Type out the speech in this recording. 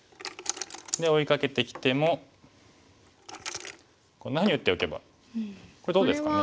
追いかけてきてもこんなふうに打っておけばこれどうですかね。